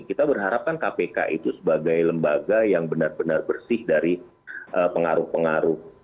kita berharapkan kpk itu sebagai lembaga yang benar benar bersih dari pengaruh pengaruh